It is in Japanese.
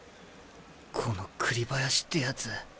この栗林ってやつ。